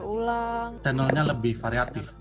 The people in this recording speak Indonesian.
seiyi unaplikasinya stuner stronenya lebih variatif